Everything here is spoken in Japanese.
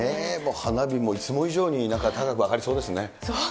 花火もいつも以上に高く上がりそうですね。